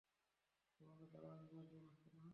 তোমাকে ছাড়া আমি বাঁচব না সোনা।